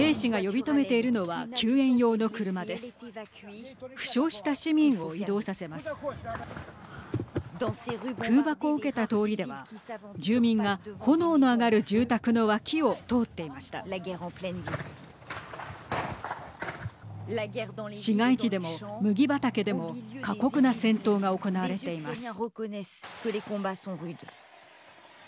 市街地でも麦畑でも過酷な戦闘が行われています。